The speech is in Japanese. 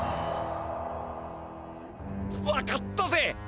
分かったぜ！